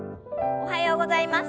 おはようございます。